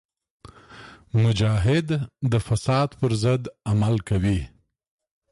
مجاهد د فساد پر ضد عمل کوي.